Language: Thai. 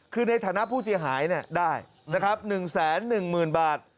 คือในฐานะผู้เสียหายได้นะครับ๑๑๐๐๐บาท